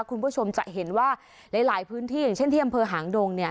คุณผู้ชมจะเห็นว่าหลายพื้นที่อย่างเช่นที่อำเภอหางดงเนี่ย